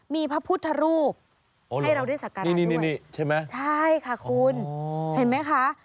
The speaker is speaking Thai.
มีพระพุทธรูปให้เราได้สักการะนี่ใช่ไหมใช่ค่ะคุณเห็นไหมคะ